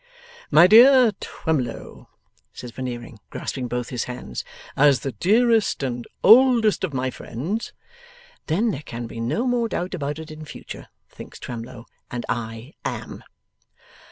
'My dear Twemlow,' says Veneering, grasping both his hands, 'as the dearest and oldest of my friends ' ['Then there can be no more doubt about it in future,' thinks Twemlow, 'and I AM!